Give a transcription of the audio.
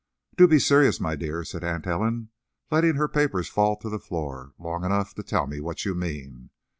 "Do be serious, my dear," said Aunt Ellen, letting her paper fall to the floor, "long enough to tell me what you mean.